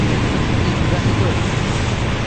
ও কি বিবাহিত?